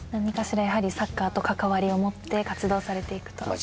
何かしらやはりサッカーとかかわりを持って活動されていくと。